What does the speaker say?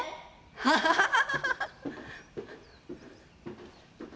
ハハハハ。